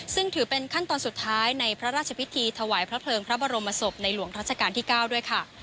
ซึ่งถือเป็นขั้นตอนสุดท้ายในพระราชพิธีถวายพระเพลิงพระบรมศพในหลวงรัชกาลที่๙ด้วยค่ะ